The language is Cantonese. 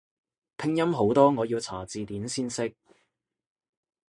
拼音好多我要查字典先識